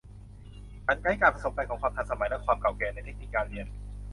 ฉันใช้การผสมกันของความทันสมัยและความเก่าแก่ในเทคนิคการเรียน